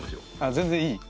あ全然いい？